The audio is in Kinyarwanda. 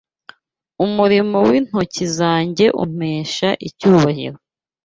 Umurimo w’intoki zanjye umpesha icyubahiro”